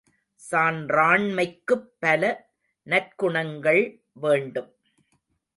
சான்றாண்மைக்குப் பல நற்குணங்கள் வேண்டும்.